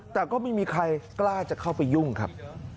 แต่ก็ไม่มีใครกล้าจะเข้าไปยุ่งครับ